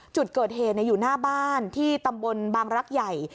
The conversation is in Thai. จุดเกิดเหตุอยู่หน้าบ้านที่ตำบลบางรักใหญ่